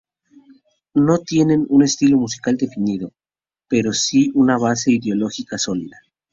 No tienen un estilo musical definido, pero si una base ideológica sólida.